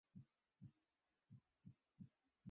তার কি ফেরত আসার সম্ভাবনা আছে?